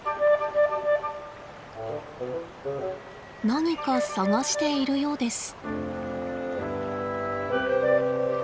何か探しているようです。